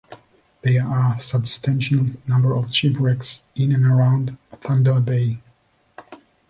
There are a substantial number of shipwrecks in and around Thunder Bay.